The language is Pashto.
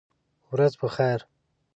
ورځ په خیر !